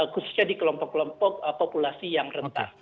khususnya di kelompok kelompok populasi yang rentah